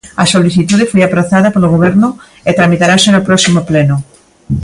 A solicitude foi aprazada polo Goberno e tramitarase no próximo Pleno.